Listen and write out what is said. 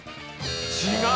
違う。